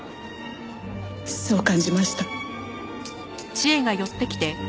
そう感じました。